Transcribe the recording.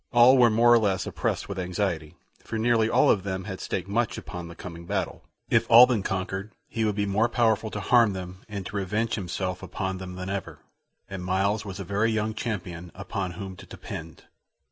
All were more or less oppressed with anxiety, for nearly all of them had staked much upon the coming battle. If Alban conquered, he would be more powerful to harm them and to revenge himself upon them than ever, and Myles was a very young champion upon whom to depend.